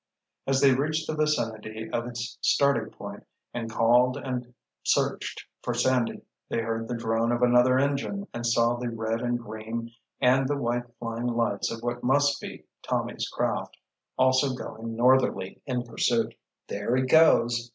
As they reached the vicinity of its starting point and called and searched for Sandy, they heard the drone of another engine and saw the red and green and the white flying lights of what must be Tommy's craft, also going northerly in pursuit. "There he goes!"